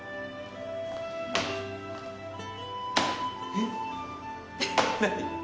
えっ？何？